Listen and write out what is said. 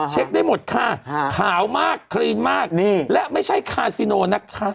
เช็คได้หมดค่ะขาวมากคลีนมากและไม่ใช่คาซิโนนะคะ